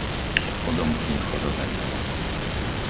Odomkni vchodové dvere.